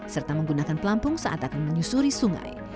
serta menggunakan pelampung saat akan menyusuri sungai